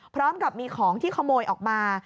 พร้อมกับมีของที่ขโมยออกมา